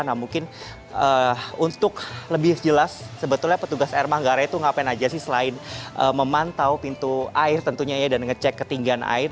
nah mungkin untuk lebih jelas sebetulnya petugas air manggarai itu ngapain aja sih selain memantau pintu air tentunya ya dan ngecek ketinggian air